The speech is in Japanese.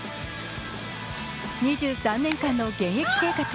２３年間の現役生活。